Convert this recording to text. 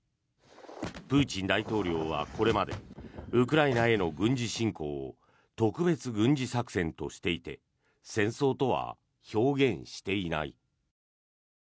プーチン大統領はこれまでウクライナへの軍事侵攻を特別軍事作戦としていて戦争とは表現していない。